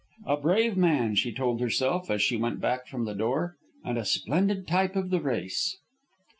A brave man, she told herself as she went bade from the door, and a splendid type of the race.